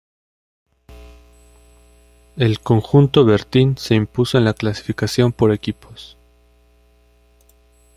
El conjunto Bertin se impuso en la clasificación por equipos.